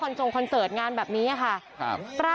จงคอนเสิร์ตงานแบบนี้ค่ะ